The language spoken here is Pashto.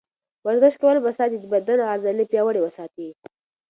ورزش کول به ستا د بدن عضلې پیاوړې وساتي.